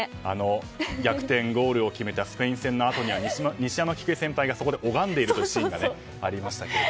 逆転ゴールを決めたスペイン戦のあとには西山喜久恵さんがそこで拝んでいるシーンがありましたけれども。